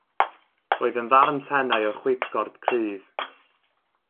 Roedd yn ddarn tenau o chwipgord cryf.